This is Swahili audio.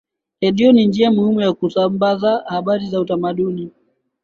redio ni njia muhimu ya kusambaza habari na utamaduni